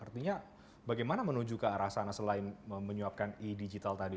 artinya bagaimana menuju ke arah sana selain menyuapkan e digital tadi